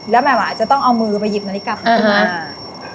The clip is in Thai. แล้วแบบจะต้องเอามือไปหยิบนาฬิกาฝูกดัง